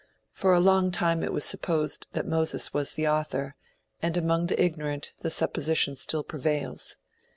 For a long time it was supposed that Moses was the author, and among the ignorant the supposition still prevails.